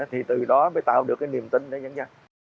thì từ đó mới tạo được cái niềm tin để nhân dân